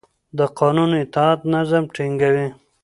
د قانون اطاعت نظم ټینګوي